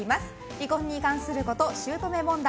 離婚に関すること、姑問題